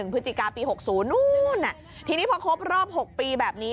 พฤศจิกาปี๖๐นู้นทีนี้พอครบรอบ๖ปีแบบนี้